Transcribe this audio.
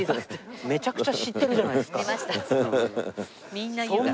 めちゃくちゃ知ってるじゃないですか。